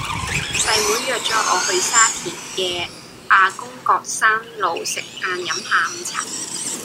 細妹約左我去沙田嘅亞公角山路食晏飲下午茶